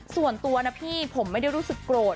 ส่วนตัวนะพี่ผมไม่ได้รู้สึกโกรธ